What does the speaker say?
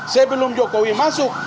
saya belum jokowi masuk